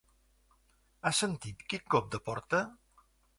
Has sentit quin cop de porta?